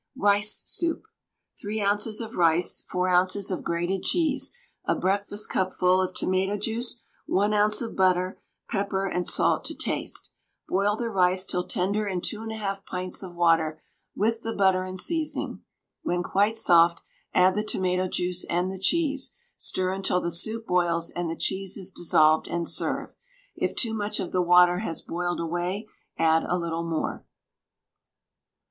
RICE SOUP. 3 oz. of rice, 4 oz. of grated cheese, a breakfastcupful of tomato juice, 1 oz. of butter, pepper and salt to taste. Boil the rice till tender in 2 1/2 pints of water, with the butter and seasoning. When quite soft, add the tomato juice and the cheese; stir until the soup boils and the cheese is dissolved, and serve. If too much of the water has boiled away, add a little more.